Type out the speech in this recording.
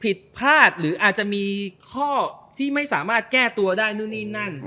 ผิดพลาดหรืออาจจะมีข้อที่ไม่สามารถแก้ตัวได้นู่นนี่นั่น